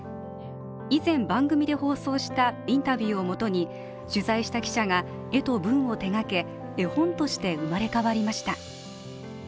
以前、番組で放送したインタビューをもとに、取材した記者が絵と文を手がけ、絵本として生まれ変わりました。